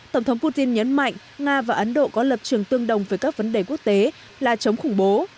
tổng thống putin nhấn mạnh nga và ấn độ có lập trường tương đồng với các vấn đề quốc tế là chống khủng bố